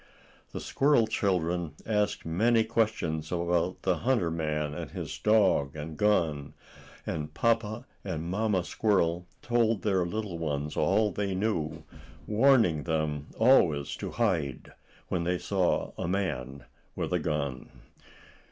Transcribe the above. The squirrel children asked many questions about the hunter man, with his dog and gun, and Papa and Mamma Squirrel told their little ones all they knew, warning them always to hide when they saw a man with a gun.